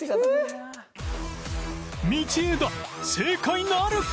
道枝正解なるか？